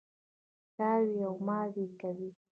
تاوې او ماوې کوي.